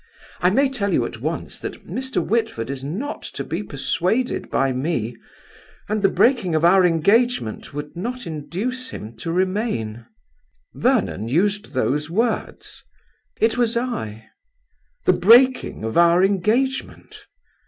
I may tell you at once that Mr. Whitford is not to be persuaded by me, and the breaking of our engagement would not induce him to remain." "Vernon used those words?" "It was I." "'The breaking of our engagement!'